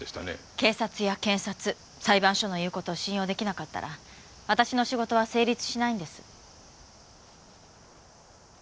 警察や検察裁判所の言う事を信用出来なかったら私の仕事は成立しないんです。